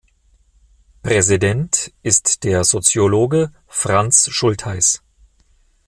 Präsident ist der Soziologe Franz Schultheis.